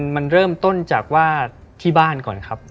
มันเริ่มต้นจากว่าที่บ้านก่อนครับ